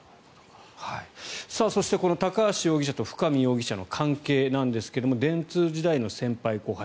そして、高橋容疑者と深見容疑者の関係ですが電通時代の先輩、後輩。